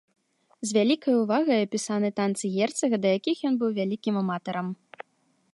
З вялікай увагай апісаны танцы герцага, да якіх ён быў вялікім аматарам.